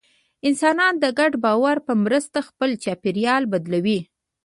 انسانان د ګډ باور په مرسته خپل چاپېریال بدلوي.